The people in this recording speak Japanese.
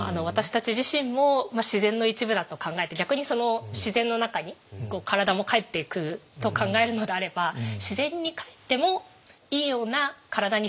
私たち自身も自然の一部だと考えて逆にその自然の中に体もかえっていくと考えるのであればなるほど。